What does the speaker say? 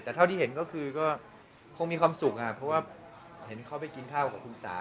แต่เท่าที่เห็นก็คือก็คงมีความสุขเพราะว่าเห็นเขาไปกินข้าวกับคุณสา